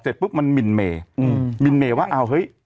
แต่ปุ๊บมันมิ่นเมย์ว่า